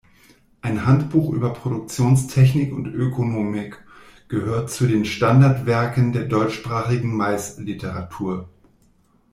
Ein Handbuch über Produktionstechnik und Ökonomik"“ gehört zu den Standard-Werken der deutschsprachigen Mais-Literatur.